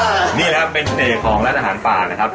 อ่านี่แหละครับเป็นเนธของสหารฟ่าเนี่ยครับ